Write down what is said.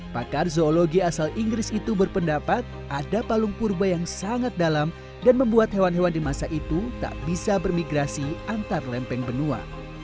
pakar zoologi asal inggris itu berpendapat ada palung purba yang sangat dalam dan membuat hewan hewan di masa itu tak bisa bermigrasi antar lempeng benua